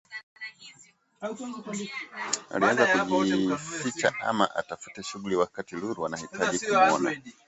Alianza kujificha ama atafute shughuli wakati Lulu anahitaji kumuona